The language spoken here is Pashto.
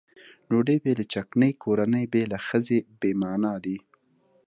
ډوډۍ بې له چکنۍ کورنۍ بې له ښځې بې معنا دي.